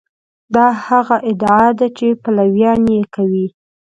دا هغه ادعا ده چې پلویان یې کوي.